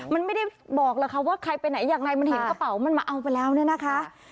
มันไม่ได้บอกหรอกค่ะว่าใครไปไหนอย่างไรมันเห็นกระเป๋ามันมาเอาไปแล้วเนี่ยนะคะ